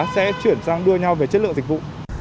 sẽ chuyển sang đua nhau về chất lượng dịch vụ